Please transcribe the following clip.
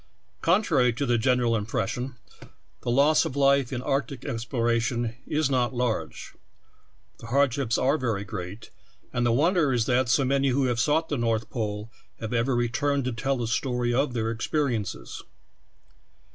Contrary to the general impres sion, the loss of life in arctic exploration is not large. The hardships are ver}^ great, and the wonder is that so many who ha^^e sought the North Pole have ever returned to tell the story of their experiences.